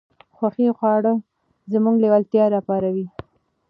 خوښې خواړه زموږ لېوالتیا راپاروي.